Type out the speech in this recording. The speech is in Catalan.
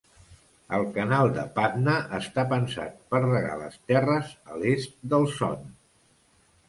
El canal de Patna està pensat per regar les terres a l'est del Son.